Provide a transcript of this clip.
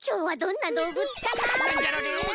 なんじゃろね。